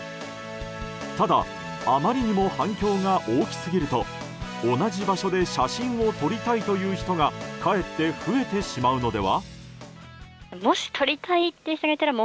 ただあまりにも反響が大きすぎると同じ場所で写真を撮りたいという人がかえって増えてしまうのでは？